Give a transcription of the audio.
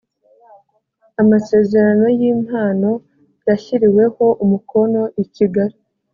amasezerano y impano yashyiriweho umukono i kigali